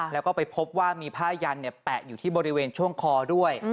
แล้วก็ไปพบว่ามีผ้ายันแปะอยู่ที่บริเวณช่วงคอด้วย